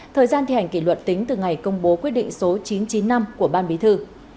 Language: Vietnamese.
thời gian thi hành kỷ luật tính từ ngày công bố quyết định số chín trăm chín mươi năm của ban bí thư